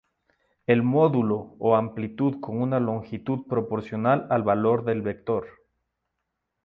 El módulo o amplitud con una longitud proporcional al valor del vector.